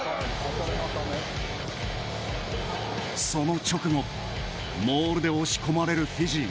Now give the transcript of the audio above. その直後モールで押し込まれるフィジー。